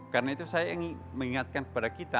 karena itu saya ingin mengingatkan kepada kita